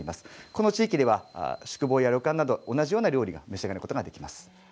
この地域では宿坊や旅館などで同じような料理を召し上がることができます。